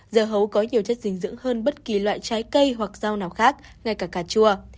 dưa hấu có nhiều chất dinh dưỡng hơn bất kỳ loại trái cây hoặc rau nào khác ngay cả cà chua